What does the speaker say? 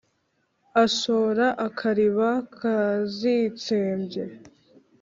Ashora akariba kazitsembye ?